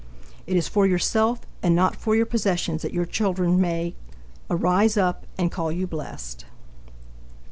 It is for yourself and not for your possessions that your children may "arise up, and call you blessed."